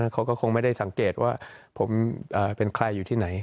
เขาก็คงไม่ได้สังเกตว่าผมเป็นใครอยู่ที่ไหน